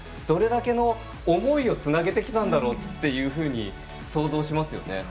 どれだけの思いをつなげてきたんだろうって想像しますよね。